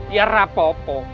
ya tidak apa apa